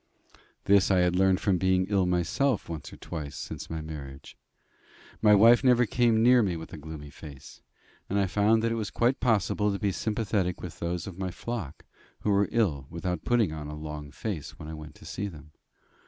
This I had learned from being ill myself once or twice since my marriage. My wife never came near me with a gloomy face, and I had found that it was quite possible to be sympathetic with those of my flock who were ill without putting on a long face when I went to see them.